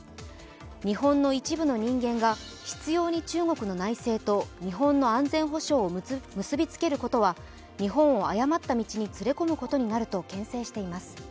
日本の一部の人間が執ように中国の内政と日本の安全保障を結びつけることは日本を誤った道に連れ込むことになるとけん制しています。